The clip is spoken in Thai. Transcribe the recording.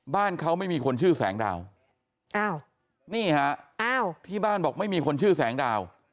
บ้านเขาไม่มีคนชื่อแสงดาวนี่ฮะอ้าวที่บ้านบอกไม่มีคนชื่อแสงดาว